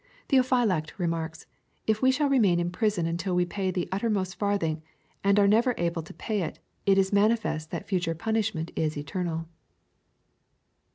Theophylact remarks, '^ If we shall remain in prison until we pay the uttermost farthing, and are never able to pay it^ it is mani fest that future punishment is eternal."